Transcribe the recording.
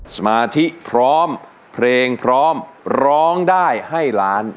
สมาธิพร้อมเพลงพร้อมร้องได้ให้ล้าน